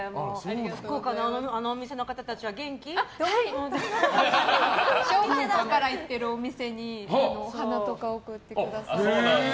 福岡の、あのお店の方たちは小学校から行っているお店にお花とかを贈ってくださって。